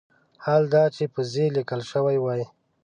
حال دا چې په "ز" لیکل شوی وای.